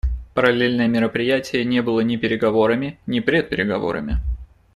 Параллельное мероприятие не было ни переговорами, ни предпереговорами.